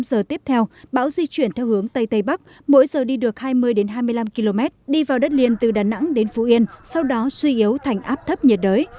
trong hai mươi bốn bốn mươi tám giờ tiếp theo bão di chuyển theo hướng tây tây bắc mỗi giờ đi được hai mươi hai mươi năm km đi vào đất liền từ đà nẵng đến phú yên sau đó suy yếu thành áp thấp nhiệt đới